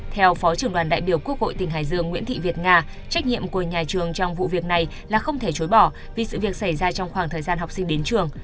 theo phó trưởng đoàn đại biểu quốc hội tỉnh hải dương nguyễn thị việt nga trách nhiệm của nhà trường trong vụ việc này là không thể chối bỏ vì sự việc xảy ra trong khoảng thời gian học sinh đến trường